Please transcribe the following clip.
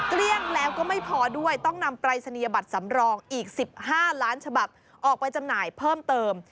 เกลี้ยงแล้วก็ไม่พอด้วยต้องนำปรายศนียบัตรสำรองอีก๑๕ล้านฉบับออกไปจำหน่ายเพิ่มเติม